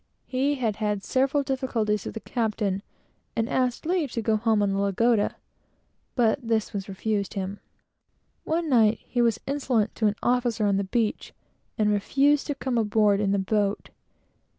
He had had several difficulties with the captain, and asked leave to go home in the Lagoda; but this was refused him. One night he was insolent to an officer on the beach, and refused to come aboard in the boat.